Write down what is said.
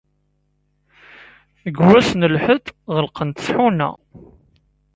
Deg wass n lḥedd, ɣellqent tḥuna.